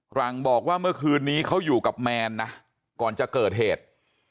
หลังบอกว่าเมื่อคืนนี้เขาอยู่กับแมนนะก่อนจะเกิดเหตุ